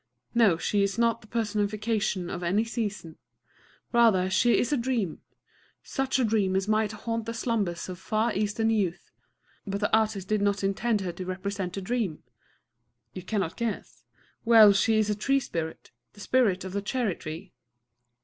No, she is not the personification of any season. Rather she is a dream such a dream as might haunt the slumbers of Far Eastern youth; but the artist did not intend her to represent a dream.... You cannot guess? Well, she is a tree spirit, the Spirit of the Cherry tree.